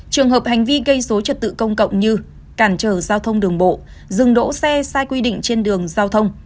trường hợp hành vi gây dối trật tự công cộng như cản trở giao thông đường bộ dừng đỗ xe sai quy định trên đường giao thông